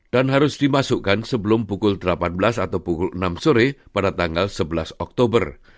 dan harus dimasukkan sebelum pukul delapan belas atau pukul enam sore pada tanggal sebelas oktober